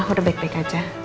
aku udah baik baik aja